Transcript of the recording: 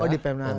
oh di pemda